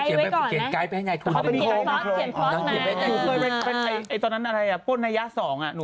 เขียนไกด์ไปก่อนนะ